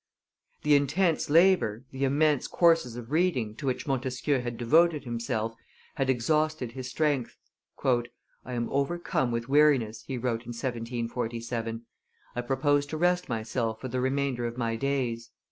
The intense labor, the immense courses of reading, to which Montesquieu had devoted himself, had exhausted his strength. "I am overcome with weariness," he wrote in 1747; "I propose to rest myself for the remainder of my days."